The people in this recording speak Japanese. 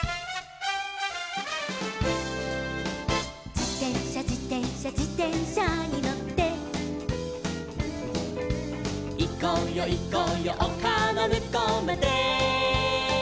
「じてんしゃじてんしゃじてんしゃにのって」「いこうよいこうよおかのむこうまで」